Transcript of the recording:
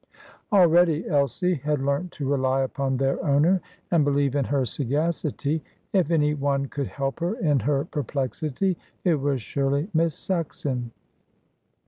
Already Elsie had learnt to rely upon their owner, and believe in her sagacity. If any one could help her in her perplexity, it was surely Miss Saxon.